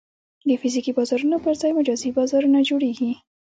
د فزیکي بازارونو پر ځای مجازي بازارونه جوړېږي.